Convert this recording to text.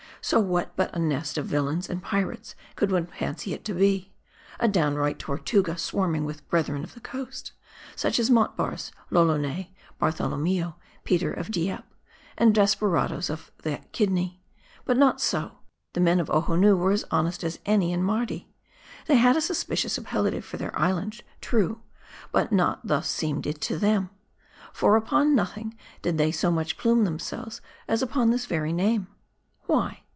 So what but a nest of villains and pirates could one fancy it to be : a downright Tortuga, swarming with " Brethren of the coast," such as Montbars, L'Ollonais, Bartolomeo, Peter of Dieppe, and desperadoes of that kid ney. But not so. The men of Ohonoo were as honest as any in Mardi. They had a suspicious appellative for their island, true ; but not thus seemed it to them. For, upon nothing did they so much plume themselves as upon this very name. Why